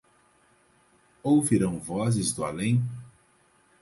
Ouvirão vozes do além